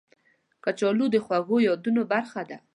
کچالو د خوږو یادونو برخه ده